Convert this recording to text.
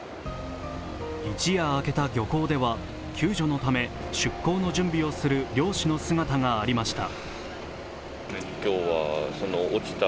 一夜明けた漁港では救助のため出港の準備をする漁師の姿がありました。